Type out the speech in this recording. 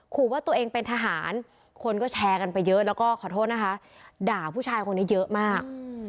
ขู่ว่าตัวเองเป็นทหารคนก็แชร์กันไปเยอะแล้วก็ขอโทษนะคะด่าผู้ชายคนนี้เยอะมาก